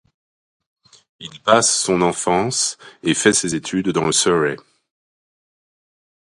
Il passe son enfance et fait ses études dans le Surrey.